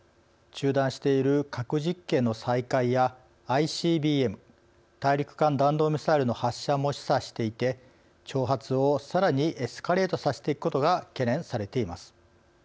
中断している核実験の再開やＩＣＢＭ＝大陸間弾道ミサイルの発射も示唆していて挑発をさらにエスカレートさせていくことが懸念されています。